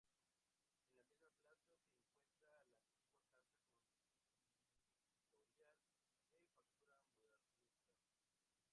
En la misma plaza se encuentra la antigua casa consistorial de factura modernista.